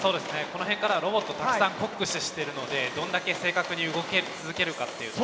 この辺からはロボットたくさん酷使してるのでどんだけ正確に動け続けるかという。